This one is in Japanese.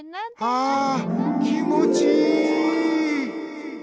はぁきもちいい。